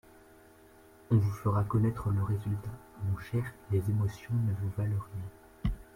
On vous fera connaître le résultat … Mon cher, les émotions ne vous valent rien.